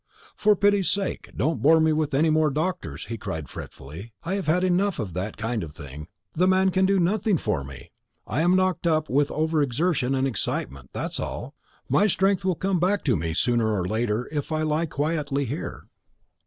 "For pity's sake, don't bore me with any more doctors!" he cried fretfully. "I have had enough of that kind of thing. The man can do nothing for me. I am knocked up with over exertion and excitement that's all; my strength will come back to me sooner or later if I lie quietly here."